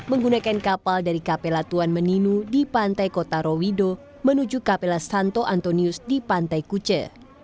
menggunakan kapal dari kapela tuan meninu di pantai kota rowido menuju kapela santo antonius di pantai kuce